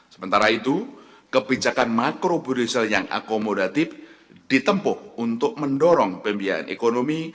sementara itu kebijakan makro burisal yang akomodatif ditempuh untuk mendorong pembiayaan ekonomi